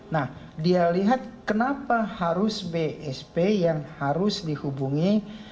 nah dia lihat kenapa harus bsp yang harus dihubungi